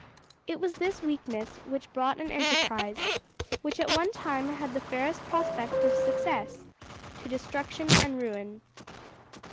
It was this weakness which brought an enterprise, which at one time had the fairest prospect of success, to destruction and ruin.